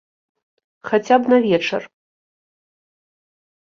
Хаця б на вечар.